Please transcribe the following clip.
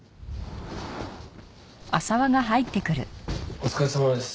お疲れさまです。